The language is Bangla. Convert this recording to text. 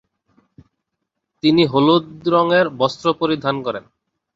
তিনি হলুদ রঙের বস্ত্র পরিধান করেন।